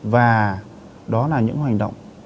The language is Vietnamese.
và đó là những hoành động